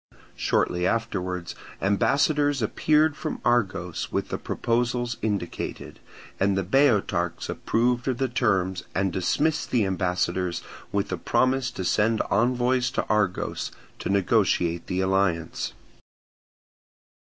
Shortly afterwards ambassadors appeared from Argos with the proposals indicated; and the Boeotarchs approved of the terms and dismissed the ambassadors with a promise to send envoys to Argos to negotiate the alliance.